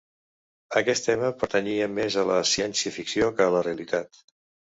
Aquest tema pertanyia més a la ciència-ficció que a la realitat.